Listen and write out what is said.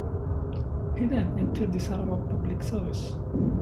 He then entered the Sarawak public service.